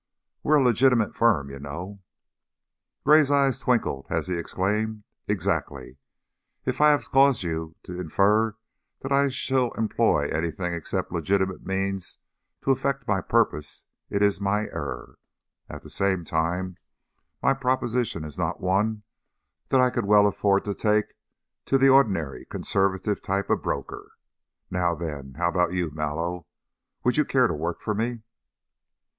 "We're a legitimate firm, you know " Gray's eyes twinkled as he exclaimed: "Exactly! If I have caused you to infer that I shall employ anything except legitimate means to effect my purpose, it is my error. At the same time, my proposition is not one that I could well afford to take to the ordinary, conservative type of broker. Now then, how about you, Mallow? Would you care to work for me?"